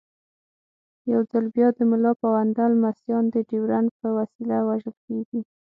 یو ځل بیا د ملا پوونده لمسیان د ډیورنډ په وسیله وژل کېږي.